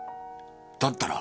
だったら。